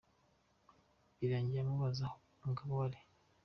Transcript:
Birangiye amubaza aho umugabo we ari.